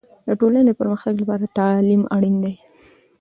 د ټولنې د پرمختګ لپاره تعلیم اړین دی.